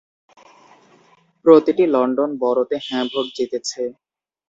প্রতিটি লন্ডন বরোতে 'হ্যাঁ' ভোট জিতেছে।